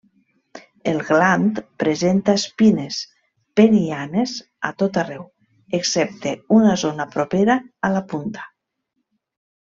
El gland presenta espines penianes a tot arreu excepte una zona propera a la punta.